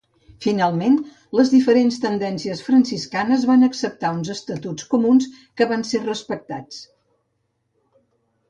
Finalment, les diferents tendències franciscanes van acceptar uns estatuts comuns que van ser respectats.